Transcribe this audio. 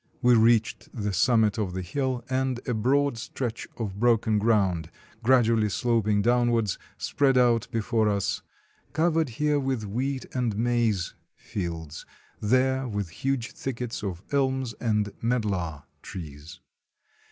We reached the summit of the hill, and a broad stretch of broken ground, gradually sloping down wards, spread out before us, covered here with wheat and maize fields, there, with huge thickets of elms and medlar trees.